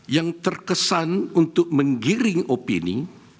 yang terkesan untuk menggiring opini